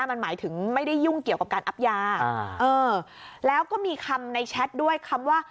มันหมายถึงไม่ได้ยุ่งเกี่ยวกับการอับยาแล้วก็มีคำในแชทด้วยคำว่า